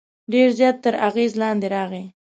ډېر زیات تر اغېز لاندې راغی.